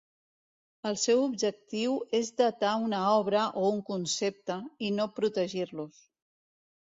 El seu objectiu és datar una obra o un concepte i no protegir-los.